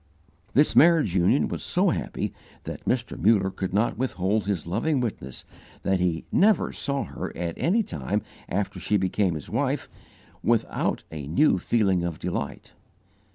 This marriage union was so happy that Mr. Muller could not withhold his loving witness that he never saw her at any time after she became his wife, without a new feeling of delight.